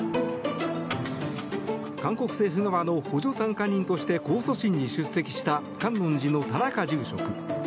韓国政府側の補助参加人として控訴審に出席した観音寺の田中住職。